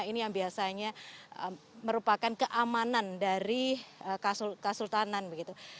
ini yang biasanya merupakan keamanan dari kesultanan begitu